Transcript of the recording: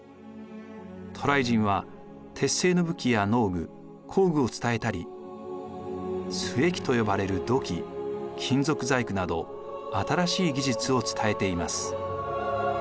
渡来人は鉄製の武器や農具工具を伝えたり須恵器と呼ばれる土器金属細工など新しい技術を伝えています。